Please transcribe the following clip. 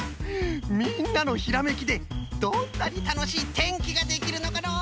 みんなのひらめきでどんなにたのしいてんきができるのかのう！